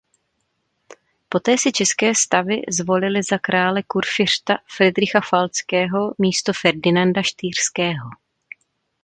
Poté si České stavy zvolily za krále kurfiřta Fridricha Falckého místo Ferdinanda Štýrského.